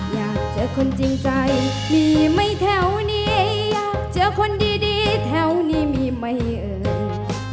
อยากเจอคนจริงใจมีไหมแถวนี้อยากเจอคนดีแถวนี้มีไหมเอ่ย